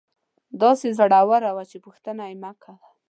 داسې زړوره وه چې پوښتنه یې مکوه.